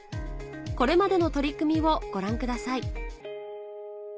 これまでの取り組みをご覧ください